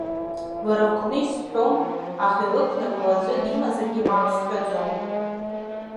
Лара лҟны исҳәом, аха илықәнагоу аӡәы димазаргьы мап сҳәаӡом.